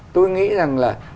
tôi nghĩ rằng là